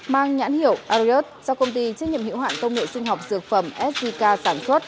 mang nhãn hiệu ariat do công ty trách nhiệm hiệu hạn công nghệ sinh học dược phẩm svk sản xuất